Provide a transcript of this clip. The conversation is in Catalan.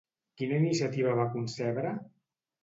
Quina iniciativa va concebre?